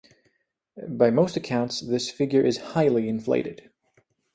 By most accounts this figure is highly inflated.